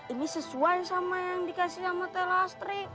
ini sesuai sama yang dikasih sama telastri